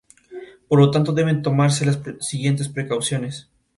Por lo tanto deben tomarse las siguientes precauciones.